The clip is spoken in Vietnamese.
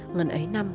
ngần ấy năm